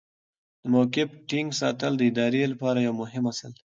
د موقف ټینګ ساتل د ادارې لپاره یو مهم اصل دی.